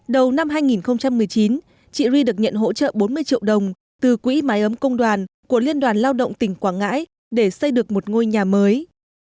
đầu năm hai nghìn một mươi chín chị ri được nhận hỗ trợ bốn mươi triệu đồng từ quỹ máy ấm công đoàn của liên đoàn lao động tỉnh quảng ngãi để xây được một ngôi nhà mới